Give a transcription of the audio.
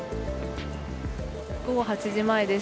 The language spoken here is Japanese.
午後８時前です。